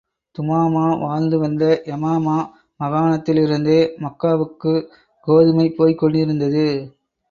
துமாமா வாழ்ந்து வந்த யமாமா மாகாணத்திலிருந்தே மக்காவுக்குக் கோதுமை போய்க் கொண்டிருந்தது.